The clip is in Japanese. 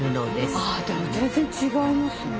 あでも全然違いますよね。